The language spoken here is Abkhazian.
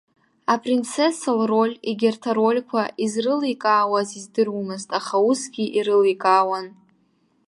Апринцесса лроль егьырҭ арольқәа изрыликаауаз издыруамызт, аха усгьы ирыликаауан.